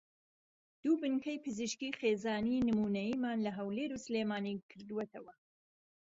دوو بنکهی پزیشکیی خێزانیی نموونهییمان له ههولێر و سلێمانی کردۆتهوه